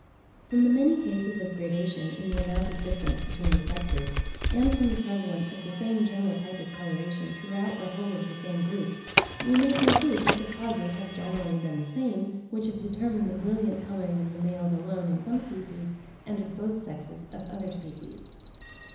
From the many cases of gradation in the amount of difference between the sexes, and from the prevalence of the same general type of coloration throughout the whole of the same group, we may conclude that the causes have generally been the same which have determined the brilliant colouring of the males alone of some species, and of both sexes of other species.